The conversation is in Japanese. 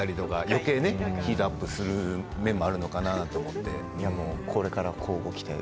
よけいヒートアップする面があるのかなと思って。